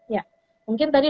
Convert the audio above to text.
ya mungkin tadi